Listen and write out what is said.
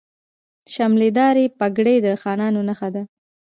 شملې دارې پګړۍ د خانانو نښه ده.